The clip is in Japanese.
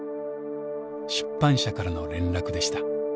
出版社からの連絡でした。